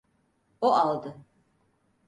O aldı.